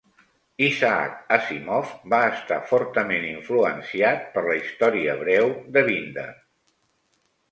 Isaac Asimov va estar fortament influenciat per la història breu de Binder.